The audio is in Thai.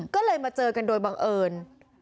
ก็เลยมาเจอกันโดยบังเอิญ